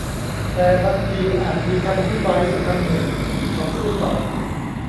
แต่บางทีอาจมีคำอธิบายอีกคำหนึ่งเขาพูดต่อ